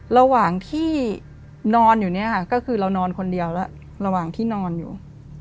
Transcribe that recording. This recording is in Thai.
ระหว่างที่นอนอยู่เนี่ยค่ะก็คือเรานอนคนเดียวแล้วระหว่างที่นอนอยู่